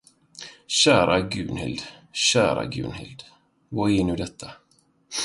Kära Gunhild, kära Gunhild, vad är nu detta.